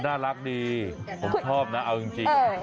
น่ารักดีผมชอบนะเอาจริง